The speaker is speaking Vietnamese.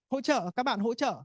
hỗ trợ các bạn hỗ trợ